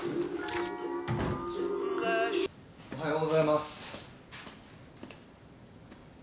おはようございます。